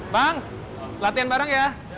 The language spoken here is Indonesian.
bang latihan bareng ya